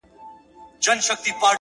داده پښـــــتانه اشـــــــنــــٰــا ـ